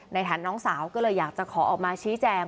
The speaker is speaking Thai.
ฐานน้องสาวก็เลยอยากจะขอออกมาชี้แจง